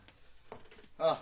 ああ。